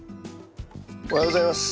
おはようございます。